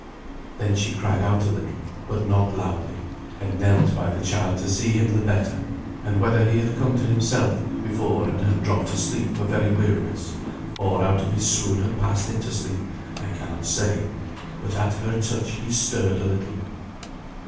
Then she cried out a little, but not loudly, and knelt by the child to see him the better; and whether he had come to himself before and had dropped asleep for very weariness, or out of his swoon had passed into sleep, I cannot say, but at her touch he stirred a little.